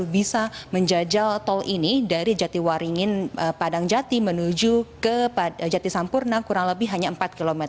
bisa menjajal tol ini dari jatiwaringin padangjati menuju ke jatisampurna kurang lebih hanya empat km